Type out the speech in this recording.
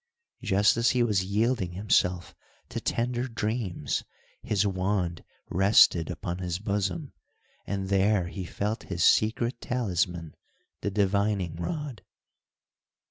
Just as he was yielding himself to tender dreams, his wand rested upon his bosom, and there he felt his secret talisman, the divining rod.